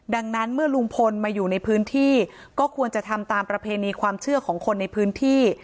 ดังนั้นเมื่อลุงพลมาอยู่ในพื้นที่ก็ควรจะทำตามประเพณีความเชื่อของคนในพื้นที่